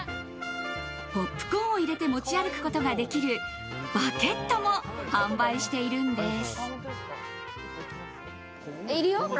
ポップコーンを入れて持ち歩くことができるバケットも販売しているんです。